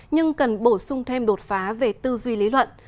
nhưng cần bổ sung thêm đột phá về tư duy lý luận